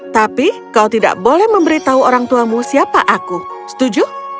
tapi kau tidak boleh memberitahu orang tuamu siapa aku setuju